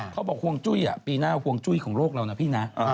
เขาบอกฮวงจุ้ยปีหน้าฮวงจุ้ยของโลกเรานะพี่น้ะ